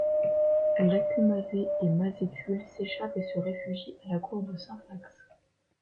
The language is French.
Lacumazès et Mazétule s'échappent et se réfugient à la cour de Syphax.